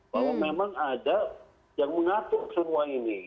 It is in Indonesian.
bahwa memang ada yang mengatur semua ini